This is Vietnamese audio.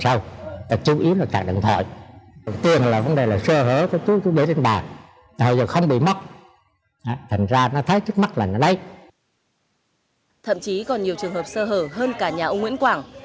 thậm chí còn nhiều trường hợp sơ hở hơn cả nhà ông nguyễn quảng